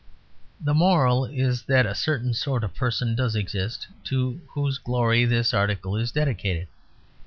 The moral is that a certain sort of person does exist, to whose glory this article is dedicated.